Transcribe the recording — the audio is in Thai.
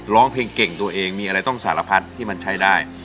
ร้องเพลงเก่งตัวเองมีอะไรต้องสารพัดที่มันใช้ได้